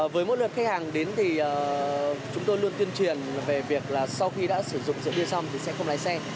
với mỗi lượt khách hàng đến thì chúng tôi luôn tuyên truyền về việc là sau khi đã sử dụng rượu bia xong thì sẽ không lái xe